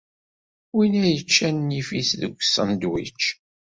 Winna yečča nnif-is deg usandwič.